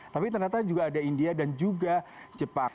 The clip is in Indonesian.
tapi ternyata juga ada india dan juga jepang